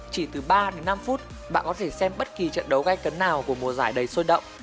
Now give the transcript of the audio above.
chỉ từ ba đến năm phút bạn có thể xem bất kỳ trận đấu gây cấn nào của mùa giải đầy sôi động